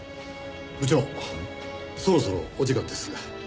部長そろそろお時間です。